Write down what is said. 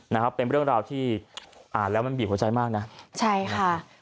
นะครับเป็นเรื่องราวที่อ่านแล้วมันบีบหัวใจมากนะใช่ค่ะ